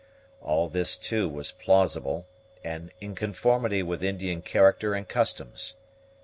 All this, too, was plausible, and in conformity with Indian character and customs.